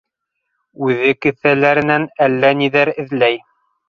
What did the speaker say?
Үҙе кеҫәләренән әллә ниҙәр эҙләй.